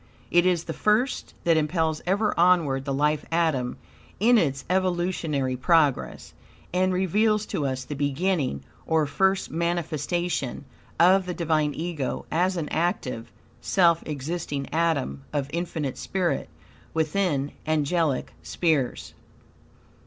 It is the force that impels ever onward the life atom in its evolutionary progress, and reveals to us the beginning, or first manifestation, of the Divine Ego as an active, self existing atom of Infinite spirit, within angelic spheres.